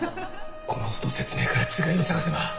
この図と説明から違いを探せば！